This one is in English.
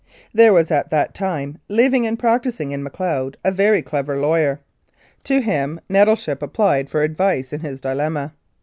There was at that time living and practising in Macleod a very clever lawyer. To him Nettleship ap plied for advice in his dilemma.